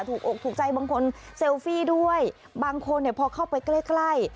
อกถูกใจบางคนเซลฟี่ด้วยบางคนเนี่ยพอเข้าไปใกล้ใกล้